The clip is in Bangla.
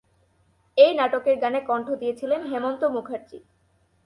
এই নাটকের গানে কন্ঠ দিয়ে ছিলেন হেমন্ত মুখার্জী।